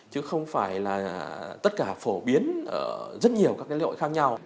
chứ không phải là tất cả phổ biến ở rất nhiều các cái lễ hội khác nhau